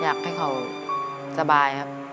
อยากให้เขาสบายครับ